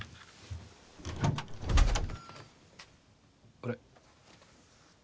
あれ？